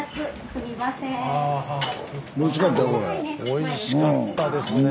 おいしかったですね。